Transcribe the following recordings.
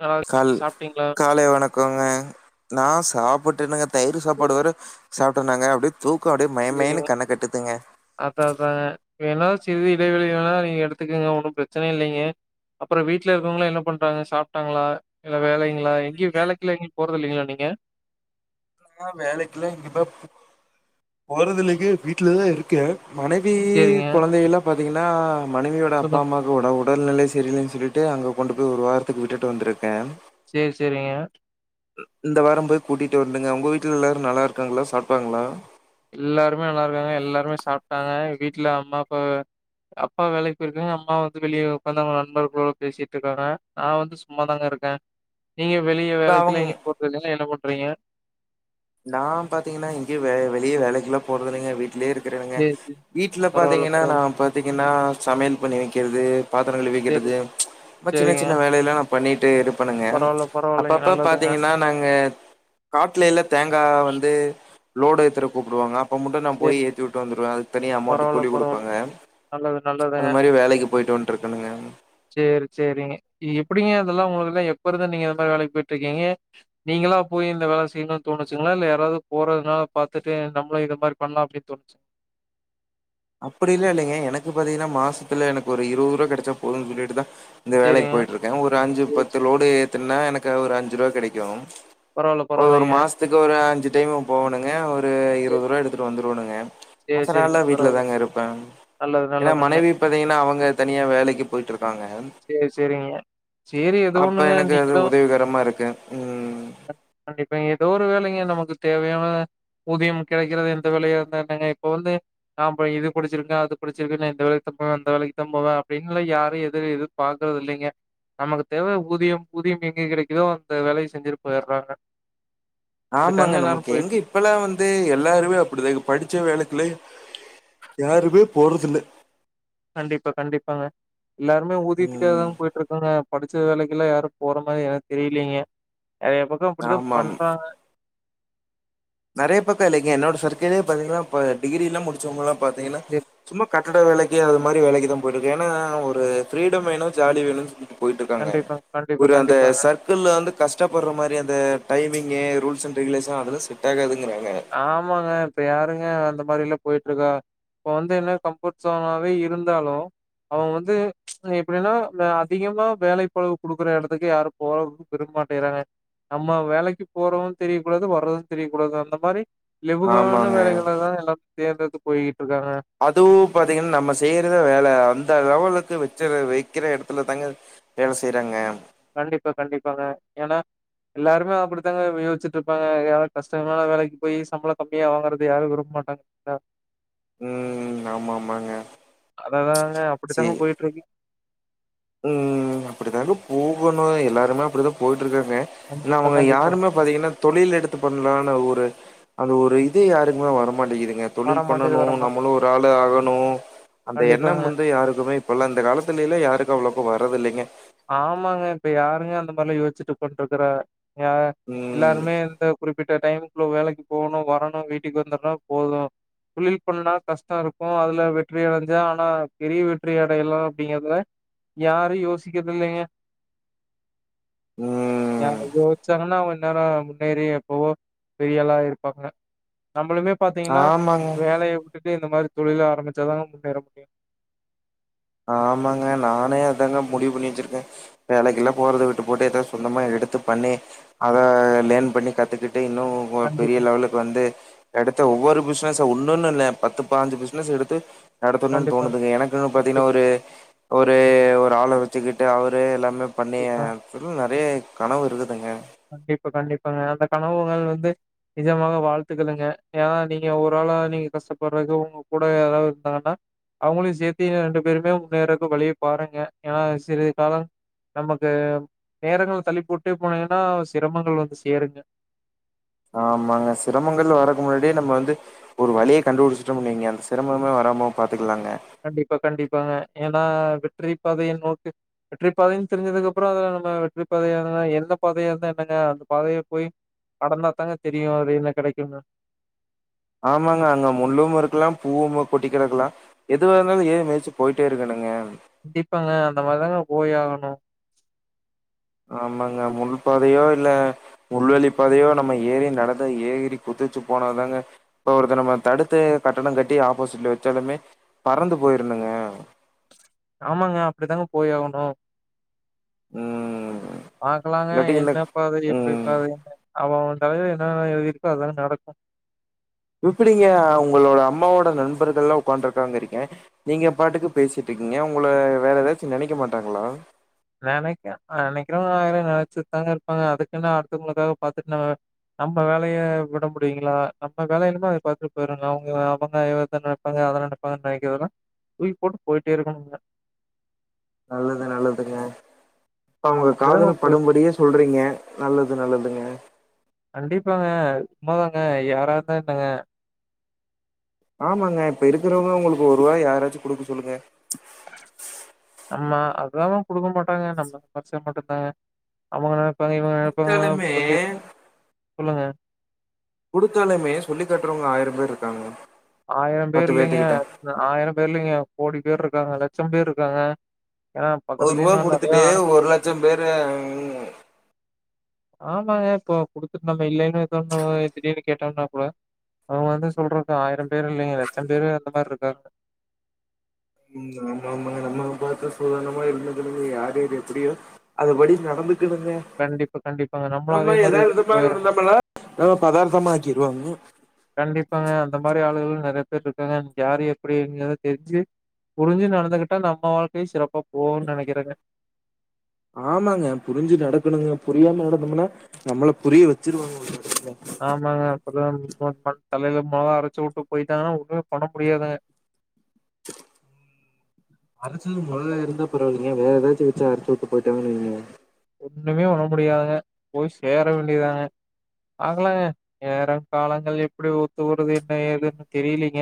நல்லா கால் சாப்ட்டீங்களா? காலை வணக் க்கோங்க நா சாப்புட்டனுங்க தயிர் சரி சாப்பாடு வேற சாப்டநாங்க அப்டியே தூக்கோ அப்டியே மயமயன்னு கண்ண கட்டுதுங்க அதாதாங்க வேணா சிறிது இடைவெளி வேணா நீங்க எடுத்துக்கங்க ஒன்னும் பிரச்சனை இல்லைங்க அப்பரோ வீட்ல இருக்கவங்களா என்ன பண்றாங்க சாப்டாங்களா ஏதாது வேலைங்களா எங்யு வேலைக்குல்ல எங்யு போறதில்லீங்களா நீங்க நா வேலைக்குல்லா இப்ப போறதுல்லீங்க வீட்லதா இருக்க மனை வி சரிங்க. குழந்தைகள்ல்லா பாாத்தீங்கன்னா மனைவியோட அப்பா சொல்லுங்க. அம்மா ஒட உடல்நிலை சரியில்லைன்னு சொல்லிட்டு அங்க கொண்டு போய் ஒரு வாரத்துக்கு விட்டுட்டு வந்திருக்க சேரி சேரிங்க இந்த வாரம் போய் கூட்டிட்டு வரனுங்க உவங்க வீட்ல எல்லாரு நல்லாருக்காங்களா சாப்டாங்களா எல்லாருமே நல்லாருக்காங்க எல்லாருமே சாப்டாங்க வீட்டுல அம்மா அப்பா அப்பா வேலைக்கு போயிருக்காங்க அம்மா வந்து வெளிய உக்காந்து அவங்க நண்பர்களோட பேசிட்டு இருக்காங்க நா வந்து சும்மா தாங்க இருக்க நீங்க வெளிய இப்ப அவுங் வேலைக்குலா எங்கயு போரதில்லீங்களா என்ன பண்றீங்க நா பாத்தீங்கன்னா எங்கயு வெளிய வேலைக்குல்லா போறதில்லைங்க வீட்டுலயே இருக் கங்க சரி, சரி. வீட்டல பரவால்ல, பாத்தீங்கன்னா நா பரவால்ல. பாத் தீங்கனா சமையல் பண்ணி வெக்கறது பாத்ரங் கழுவி வெக்கறது சரிங்க, மாரி சின்ன சரிங்க. சின்ன வேலையெல்லா நா பண்ணிட்டே இருப்பணுங்க பரவால்ல, பரவால்லங்க. அப்பப்ப நல்லதுங்க. பாத்தீங்கன்னா நாங்க காட்லயெல்லா தேங்கா வந்து லோடு எத்றக் கூப்டுவாங்க அப்போ மட்டு நா போய் சரிங்க. ஏத்திவுட்டு வந்துருவ அதுக்கு தனியா அமௌண்ட் பரவால்ல, கூலி குடுப்பாங்க பரவால்லங்க. நல்லது நல் அது மாரி வேலைக்கு போயிட்டு வன்டு இருக்கனுங்க சேரி சேரிங்க எப்படிங்க அதெல்லா உங்களுக்கு எல்லாம் எப்ப இருந்து நீங்க இந்த மாதிரி வேலைக்கு போயிட்டு இருக்கீங்க நீங்களா போய் இந்த வேல செய்யணும்னு தோணுச்சுங்களா இல்ல யாராவது போறதுனால பாாத்துட்டு நம்மளு இத மாரி பண்லா அப்டி தோனுச்சா அப்படிலா இல்லீங்க எனக்கு பாத்தீங்கன்னா மாசத்துல எனக்கு ஒரு இருபது ரூப கிடைச்சா போதும்ன்னு சொல்லிட்டுதா இந்த வேலைக்கு சரிங்க. போய்ட்டுருக்க ஒரு அஞ்சு சரி, பத்து சரி. லோடு ஏத்துன்னா எனக்கு ஒரு அஞ்சு ரூபா கிடைக்கு பரவால்ல, ஒரு பரவால்லங்க. மாசத்துக்கு ஒரு அஞ்சு டைம் போவணுங்க ஒரு சரி, இருபது ரூபா எடுத்துட்டு வந்துருவனுங்க சரி, சரிங்க. மத்தனாள்லா வீட்டல பரவால்ல. தாங்க இருப்ப நல்லது, ஏனா நல்லதுங்க. மனைவி பாத்தீங்கன்னா அவங்க தனியா வேலைக்கு போய்ட்ருக்காங்க சரி, சரிங்க. சரி, ஏதோ அப்ப ஒண்ணுங்க. எனக்கு அது உதவிகரமா இருக்கு ம் கண்டிப்பாங்க ஏதோ ஒரு வேலைங்க நமக்கு தேவையான ஊதியம் கிடைக்கறது எந்த வேலையா இருந்தா என்னங்க இப்ப வந்து நா ப இது படுச்சுருக்க அது படுச்சுருக்க நா இந்த வேலைக்குதா போவே அந்த வேலைக்குதா போவே அப்படீன்லா யாரு எதுவு இது பாக்கறது இல்லீங்க நமக்கு தேவ ஊதியம் ஊதியம் எங்கே கிடைக்குதோ அந்த வேலைய செஞ்சுட்டு போயற்றாங்க ஆமாங்க நமக்கு எங்க இருக்கு. இப்பல்லா வந்து எல்லாருமே அப்படிதாங்க படிச்ச வேலைக்குலா யாருமே போறது இல்ல கண்டிப்பா கண்டிப்பாங்க எல்லாருமே ஊதியத்துக்காக தா ம் போயிட்டுருக் காங்க படிச்ச வேலைக்குல்லா யாரு போற மாரி எனக்கு தெரியிலைங்க நெறைய பக்க அப்டிதா ஆமாம் பண்றாங்க நெறைய பக்க இல்லைங்க என்னோட சர்க்கல்லேயே பாத்தீங்கன்னா இப்ப டிகிர எல்லா முடிச்சவங்கல்லா பாத்தீங்கன்னா சரி. சும்மா கட்டிட வேலைக்கு அது மாரி வேலைக்கு தா போயிட்டு இருக்கு ஏன்னா ஒரு ஃப்ரீடம் வேணு ஜாலி வேணுனு சொல்லிடு போயிட்டு இருக்காங்க கண்டிப்பா, கண்டிப்பா, ஒரு அந்த கண்டிப்பா. சர்க் கள்ல வந்து கஷ்டப்படுற மாரி அந்த டைமிங்கு ரூல்ஸ் அண்ட் ரெகுலேஷன் அதெல்லா செட் ஆகாதுங்குறாங்க ஆமாங்க இப்ப யாருங்க அந்த மாரிலா போயிட்ருக்கா இப்ப வந்து என்ன கம்ஃபர்ட் சோனாவே இருந்தாலு அவங்க வந்து எப்டின்னா வே அதிகமா வேலைப்பழு குடுக்குற எடத்துக்கு யாரு போறதுக்கு விரும்ப மாட்டேங்றாங்க நம்ம வேலைக்கு போறோது தெரியக் கூடாது வர்றது தெரியக் கூடாது அந்த பாரு லெபகான ஆமாங்க வேலைகளதா எல்லா தேர்ந்தேடுத்து போயிட்டு இருக்காங்க அதுவு பாத்தீங்கன்னா நம்ம செய்யறத வேல அந்த லெவலுக்கு வெச்சத வைக்கிற எடத்துல தாங்க வேல செய்றாங்க கண்டிப்பா கண்டிப்பாங்க ஏன்னா எல்லாருமே அப்டித்தாங்க யோச்சிட்ருப்பாங்க யாரோ கஷ்டமான வேலைக்கு போய் சம்பள கம்மியா வாங்குறது யாரு விரும்பமாட்டாங்க அ ம் ஆமா ஆமாங்க அததாங்க அப்படித்தாங்க செரி போய்ட்ருக்கு ம் அப்டிதாங்க போகணு எல்லாருமே அப்டிதா போயிட்டு இருக்காங்க ஏன்னா கண்டிப்பா, அவங்க கண்டிப்பா. யாருமே பாத்தீங்கன்னா தொழில் எடுத்து பண்லானு ஒரு அந்த ஒரு இது யாருக்குமே வரமாட்டேங்கிதுங்க வர தொழில் மாட்டேங்குது, பண்ணணு வர மாட்டேங்குது. நம்மளு ஒரு ஆளு ஆகணு அந்த கண்டிப்பாங்க. எண்ணம் வந்து யாருக்குமே இப்போல்லா இந்த காலத்துல எல்லா யாருக்கு அவ்வளோக்கு வரது இல்லைங்க ஆமாங்க இப்ப யாருங்க அந்த மாரிலா யோச்சிட்டு உக்காந்திருக்குறா யா ம். எல்லாருமே இந்த குறிப்பிட்ட டைமுக்குள்ள வேலைக்கு போகணு வரணு வீட்டுக்கு வந்துடணு போது தொழில் பண்ணுணா கஷ்ட இருக்கு அதுல வெற்றி அடஞ்சா ஆனா பெரிய வெற்றி அடையலா அப்டிங்கறதுல யாரு யோசிக்கறது இல்லைங்க ம். யாயோ ச்சாங்கன்னா அவங்க இன் நேர முன்னேறி எப்பவோ பெரிய ஆள் ஆயிருப்பாங்க நம்மளுமே பாத்தீங்கன்னா ஆமாங்க. வேலைய வுட்டுட்டு இந்த மாரி தொழில் ஆரம்பிச்சாதாங்க முன்னேற முடியு ஆமாங்க நானே அதாங்க முடிவு பண்ணி வெச்சிருக்கே வேலைக்குல்லா போறத விட்டு போட்டு எதோ சொந்தமா எடுத்து பண்ணி அத லேர்ன் பண்ணி கத்துக்கிட்டு இன்னு பெரிய கண்டிப்பா, லெவல்ல வந்து எடுத்த ஒவ்வொரு பிசினஸ் ஒன்னுன்னு இல்ல பத்து பாஞ்சு பிசினஸ் எடுத்து நடத்தணுனு கண்டிப்பாங்க, தோணுதுங்க எனக்கு கண்டிப்பா, ஒரு ஒரு ஒரு ஆள வெச்சுக்கிட்டு அவரே எல்லாமே பண்ணி கண்டிப்பா. வந்து நெறைய கனவு இருக்குதுங்க கண்டிப்பா கண்டிப்பாங்க அந்த கணவுகள் வந்து நிஜமாக வாழ்த்துக்களுங்க ஏன்னா நீங்க ஒராள நீங்க கஷ்டப்படுறக்கு உங்க கூட யாராது இருந்தாங்கன்னா அவங்களையு சேத்தி ரெண்டு பேருமே முன்னேறக்கு வழிய பாருங்க ஏன்னா சிறிது காலம் நமக்கு நேரங்கள் தள்ளி போட்டே போனீங்கன்னா சிரமங்கள் வந்து சேருங்க ஆமாங்க சிரமங்கள் வரக்கு முன்னாடியே நம்ம வந்து ஒரு வழிய கண்டுபுடிச்சுட்டோம்னு வைங்க அந்த சிரமே வராம பாத்துக்கலாங்க கண்டிப்பா கண்டிப்பாங்க ஏன்னா வெற்றிப்பாதைய நோக்கு வெற்றி பாதைன்னு தெரிஞ்சதுக்கு அப்புறோ அதுல நம்ம வெற்றி பாதையா இருந்தா என்ன பாதையா இருந்தா என்னங்க அந்த பாதைய போய் கடந்தா தாங்க தெரியு அதுல என்ன கெடைக்குனு ஆமாங்க அங்க முள்ளும் இருக்கலா பூவும் கொட்டி கடக்கலா எதுவாக இருந்தாலு ஏரி மிதுச்சு போயிட்டே இருக்கணுங்க கண்டிப்பாங்க அந்த மாரிதாங்க போய் ஆகணு ஆமாங்க முள் பாதையோ இல்ல முள்வெலிப்பாதையோ நம்ம ஏறி நடந்து ஏறி குதிச்சு போனாதாங்க இப்ப ஒருத்த நம்ம தடுத்து கட்டடங்கட்டி ஆப்போசிட்ல வெச்சாலுமே பறந்து போயிருனுங்க ஆமாங்க அப்டி தாங்க போய் ஆகணு ம் பாக்கலாங்க இல்லாட்டி இந்த என்ன பதது எப்டி ம். பதனு என்னன் அவ அவன் தலைல என்னென்ன எழுதி இருக்கோ அதாங்க நடக்கு எப்பிடிங்க உங்களோட அம்மாவோட நண்பர்கள்லா உக்காந்திருக்காங்கிறீங்க நீங்க பாட்டுக்கு பேசிட்டிருக்கீங்க உங்கள வேற எதாச்சு நெனைக்க மாட்டாங்ளா நெனைக்க நெனைக்கறவங்க ஆயிரோ நெனச்சிட்தாங்க இருப்பாங்க அதுக்குனு அடுத்தவங்களுக்காக பாத்துட்டு நம்ம நம்ம வேலய விட முடியுங்களா நம்ம வேல என்னமோ அத பாத்துட் போய்றனு அவுங்க எதன அவங்க எத நெனைப் பாங்க அத நெனைப்பாங்க நெனைக்கறதலா தூக்கி போட்டு போயிட்டே இருக்கணுங்க நல்லது நல்லதுங்க இப்ப அவுங்க அப்படிதாங்க காதுல் போயிட்டு இருக்கு. படும்படியே சொல்றீங்க நல்லது நல்லதுங்க கண்டிப்பாங்க உண்ம தாங்க யாரா இருந்தா என்னங்க ஆமாங்க இப்ப இருக்கிறவங்க உங்களுக்கு ஒருவாய் யாராச்சு குடுக்க சொல்லுங்க ஆமா அதுதாங்க குடுக்க மாட்டாங்க நம்ம சம்பார்ச்சா மட்டுந்தாங்க அவங்க நெனைப்பாங்க இவங்க நெனைப்பாங்கனுலா குடுத்தாலுமே சொல்லி சொல்லுங்க குடுத்தாலுமே சொல்லி காட்டுறவங்க ஆயிரம் பேர் இருக்காங்க ஆயிரம் பேர் இல்லைங்க பேத்துக்கிட்ட. ஆயிரம் பேர் இல்லிங்க கோடி பேருக்காங்க அ லட்சம் பேர் இருக்குறாங்க ஏனா பக்கத்துலே நா நெறைய அனுபவ பட் ஞ்சம் பேரு உ ஆமாங்க இப்போ குடுத்துட் நம்ம இல்லைன் சொன்னவு திடீனு கேட்டோம்னா கூட அவுங்க வந்து சொல்றக்கு ஆயிரம் பேர் இல்லைங்க லட்சம் பேரு அந்த மாரிருக்காங்க ம் ஆமா ஆமா நம்மள பாத்து சொல்லணுமோ [unintelligible] யார் யாரு எப்டியோ அதுபடி நடந்துக்குனுங்க கண்டிப்பா கண்டிப்பாங்க நம்மளு அதே மாரி இருந்துட்டு போயறணு இல்லனா பதார்த்தமா ஆக்கிருவாங்க கண்டிப்பாங்க அந்த மாரி ஆளுங்கள் நெறைய பேர் ருக்காங்க நமக் யாரு எப்டிங்கறத் தெரிஞ்சு புரிஞ்சு நடந்துகிட்டா நம்ம வாழ்க்கையு சிறப்பா போகுன் நெனைக்குறெங்க ஆமாங்க புரிஞ்சு நடக்கணுங்க புரியாம நடந்தோம்முனா நம்மள புரிய வெச்சிருவாங்க ஒரு கட்டத்துல ஆமாங்க அப்புறோ [inaudible] தலைல மொளகா அரச்சு உட்டு போய்ட்டாங்கன்னா ஒண்ணுமே பண்ண முடியாதுங்க அரச்சது மொளகா இருந்தா பரவால்லிங்க வேற ஏதாச்சு வெச்சு அரச்சு உட்டு போய்ட்டாங்கன்னு வைங்க ஒண்ணுமே பண்ண முடியாதுங்க போய் சேர வேண்டிதாங்க பாக்கலாங்க நேரோ காலங்கள் எப்டி ஒத்து ஊருது என்ன ஏதுன்னு தெரிலீங்க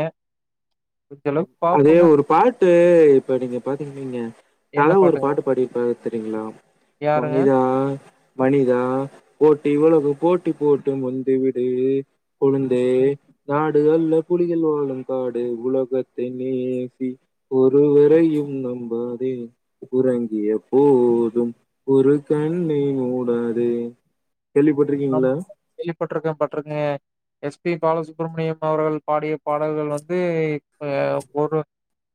அது ஒரு பாட்டு இப்ப நீங்க பாத்தீங்கன் வைங்க என்ன தல ஒரு பாட்டுங்க? பாட்டு பாடிருப்பாரு செரிங்களா யாருங்க? மனிதா மனிதா போட்டி உலகம் போட்டி போட்டு முந்தி விடு குழந்தே நாடு அல்ல புலிகள் வாழும் காடு உலகத் தை நேசி ஒருவரையும் நம்பாதே உறங்கிய போதும் ஒரு கண்ணை மூடாதே கேள்விப்பட்டிருக்கீங் ஆமாங்க கேள்விப்பட்டுருக்கே பட்டுருக்கே எஸ் பி பாலசுப்ரமணியம் அவர்கள் பாடிய பாடல்கள் வந்து இப்ப ஒரு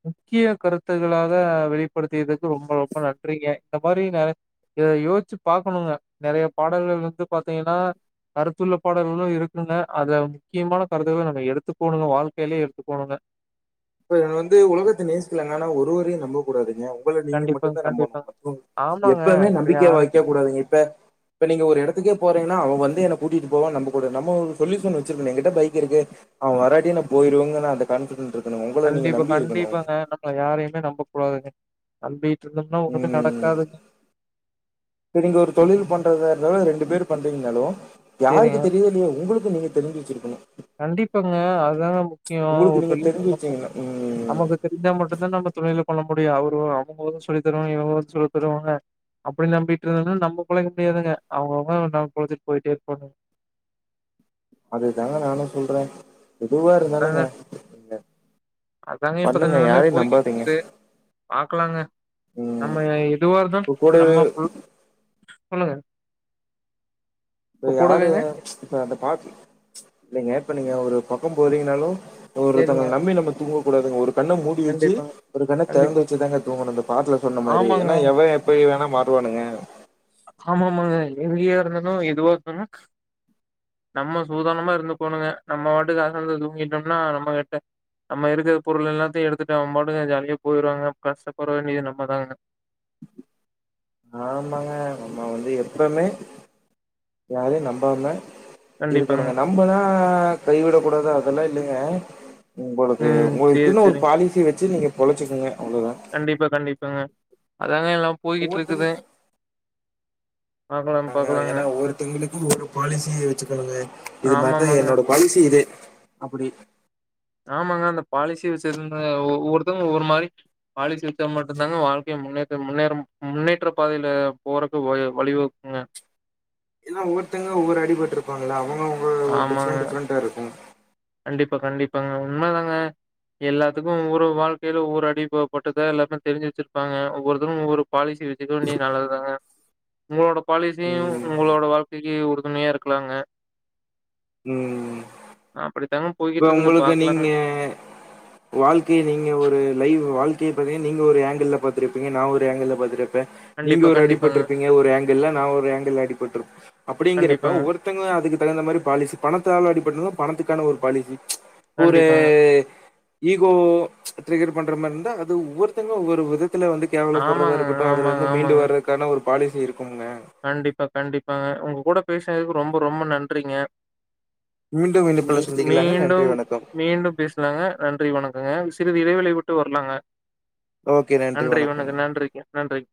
முக்கிய கருத்துகளாக வெளிப்படுத்தியதுக்கு ரொம்ப ரொம்ப நன்றிங்க இந்த மாரி நெற ய யோச்சு பாக்கணுங்க நெறையப் பாடல்கள் வந்து பாத்தீங்கனா கருத்துள்ள பாடல்களு இருக்குங்க அது முக்கியமான கருத்துகள நம்ம எடுத்துக்கோணுங்க வாழ்க்கைலே எடுத்துக்கோணுங்க இப்ப இது வந்து உலகத்த நேசிக்லாங்க ஆனா ஒருவரையு நம்பக் கூடாதுங்க உங்கள நீங்க கண்டிப்பாங்க, மட்டுந்தா நம்பணு கண்டிப்பாங்க. எப்பவு ஆமாங்க. எப்பவுமே இப்ப நம்பிக்கைய யாரும் வைக்க கூடாதுங்க இப்ப இப்போ நீங்க ஒரு எடத்துக்கே போறீங்கனா அவ வந்து என்ன கூட்டிட்டு போவான் நம்பக் கூடாது நம்ம ஒரு சொல்யூஷன் வெச்சிருக்கணு எங்கிட்ட பைக் இருக்கு அவ வராட்டியு நா போயிருவேங்கற அந்த கான்ஃபிடன்ட்ருக் கண்டிப்பா கண்டிப்பாங்க ன நா யாரையுமே நம்பக்கூடாதுங்க நம்பிட்டு இருந்தம்னா ஒன்னு நடக்காதுங்க செரிங்க ஒரு தொழில் பண்றதா இருந்தாலு ரெண்டு பேர் பண்றீங்னாலு சரிங்க. யாருக்கு தெரியிதோ இல்லியோ உங்குளுக்கு நீங்க தெரிஞ்சு வச்சிருக்கணு கண்டிப்பாங்க அதுதாங்க முக்கியோ ஒரு நீங்க தொழில் தெரிஞ்சு பண்ணக்க வச்சீங்கன்னா ம். நமக்கு தெரிஞ்சா மட்டுந்தா நம்ம துணில பண்ண முடியு அவரு அவுங்க வது சொல்லி தருவாங்க இவுங்க வது சொல்லி தருவாங்க அப்டி நம்பிட்ருந்ததுனா நம்மகுள்ள முடியாதுங்க அவுங்கவுங்க நம்ம கொழச்சிட் போயிட்டே இருப்பாணுங் அதுதாங்க நானு சொல்றே எதுவா அதாங்க இருந்தாலுங்க இங்க அதாங்க இப்பத நெலமை நம்பாதீங்க. போய்கிட்ருக்குது பாக்லாங்க ம். நம்ம எதுவா இருந்து இப்ப கூடவே நம்மகுள் சொல்லுங்க இப்ப யாரு இப்ப அந்த பாட்டுல் இல்லிங்க இப்ப நீங்க ஒரு பக்கம் போறீங்கனாலு சரிங்க. ஒருதங்கள நம்பி நம்ப தூங்ககூடாதுங்க ஒரு கண்ண மூடி வெச்சு கண்டிப்பாங்க, ஒரு கண்ண தெறந்து கண்டிப்பாங்க. வெச்சு தாங்க தூங்கணு அந்த பாட்ல சொன்ன மாரி ஆமாங்க. எனா எவ எப் ப்படி வேணா மாறுவானுங்க ஆமா ஆமாங்க எதிரியா இருந்தாலு எதுவா இருந்தாலு நம்ம சூதானாமா இருந்துக்கோணுங்க நம்ம வாட்டுக்கு அசந்து தூங்கிட்டோம்னா நம்ம கிட்ட நம்ம இருக்கற பொருள் எல்லாத்தையு எடுத்துட்டு அவம்பாட்டுக்கு ஜாலியா போயிருவாங்க அப்ப கஷ்டப்பட வேண்டியது நம்ம தாங்க ஆமாங்க நம்ப வந்து எப்பமே யாரையு நம்பாம கண்டிப்பாங்க இருக்கணுங்க நம்மதா கைவிடக் கூடாது அதெலா இல்லங்க உங்களுக்கு ம் உங்க சேரி இதல ஒரு சேரிங்க பாலிசி வச்சி நீங்க பொழச்சுகிங்க அவ்ளதாங் கண்டிப்பா கண்டிப்பங்க அதாங்க எல்லாம் ஒவ்வொருத்தங்க போய்கிட்ருக்குது அ னாங்க எனா ஒருதங்களுக்கு ஒருப் பாலிசிய வச்சுக்கணுங்க இது மார்தா ஆமாமாங்க என்னோடப் வயசு இதே அப்பிடி ஆமாங்க அந்த பாலிசி வச்சிருந்த ஒவ்வொருத்தவுங்க ஒவ்வொரு மாரி பாலிசி வெச்சா மட்டுந்தாங்க வாழ்க்கைய முன்னேத்த முன்னேற முன்னேற்றப் பாதையில போறக்கு ஓய வழிவகுக்குங்க எல்லா ஒவ்வொருத்தங்க ஒவ்வொரு அடிட்ருப்பாங்கள அவுங்கவுங்க ஒரு ஆமாங்க டிஃப்ரெண்ட் டிஃப்ரெண்டா இருக்கு கண்டிப்பா கண்டிப்பாங்க உண்மதாங்க எல்லாத்துக்கு ஒவ்வொரு வாழ்க்கையில ஒவ்வொரு அடி ப பட்டுதா எல்லாருமே தெரிஞ்சி வச்சிருப்பாங்க ஒவ்வொருத்தரு ஒவ்வொருக் பாலிசி வச்சுக்க நீ நல்லதுதாங்க உங்களோடப் பாலிசியு ம் உங்களோட வாழ்க்கைக்கி உறுதுணையா இருக்ளாங்க ம் அப்டித்தாங்க போய் இப்ப உங்களுக்கு நீங்க வாழ்க்கைய நீங்க ஒரு லைவ் வாழ்க்கைய பாத்தீங்க நீங்க ஒரு அங்கிள்ல பாத்துருப்பீங்க நா ஒரு அங்கிள்ல பாத்துரப் பே நீங்க கண்டிப்பா, ஒரு கண்டிப்பாங்க. அடிபட்ருப்பீங்க ஒரு ஆங்கிள்ல நா ஒரு ஆங்கிள்ல அடிபட்ருப் அப்பிடிங்கறப்ப கண்டிப்பாங்க, ஒவ்வொருத் த்தங்க அதுக்கு தகுந்த மாரி பாலிசி பணத்தால அடி பட்டுந்தா பணத்துக்கான ஒரு பாலிசி ஒரு கண்டிப்பாங்க. ஈகோ ட்ரிகர் பண்ற மாரி இருந்தா அது ஒவ்வொருத்தங்க ஒவ்வொரு விதத்துல வந்து கேவலப்பட்றதா ஆமாங்க, இருக்குட்டு அதுல ஆமாங்க, இருந்து மீண்டு ஆமாங்க. வர்றக்கான ஒரு பாலிசி இருக்கூங்க கண்டிப்பா கண்டிப்பாங்க உங்க கூட பேசுனதுக்கு ரொம்ப ரொம்ப நன்றிங்க மீண்டும் இணைப்புல மீ சந்திக்கலாங்க. நன்றி மீண்டும் வணக்கம். மீண்டும் பேஸ் லாங்க நன்றி வணக்கங்க சிறிது இடைவெளை விட்டு வர்லாங்க ஓகே. நன்றி வணக்கங்க. வணக் நன்றிங்க நன்றிங்க